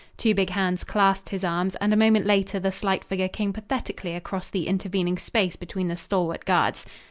Two big hands clasped his arms, and a moment later the slight figure came pathetically across the intervening space between the stalwart guards.